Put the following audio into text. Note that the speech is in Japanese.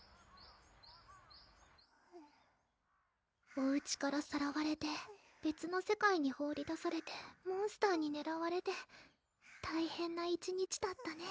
おうちからさらわれて別の世界に放り出されてモンスターにねらわれて大変な１日だったね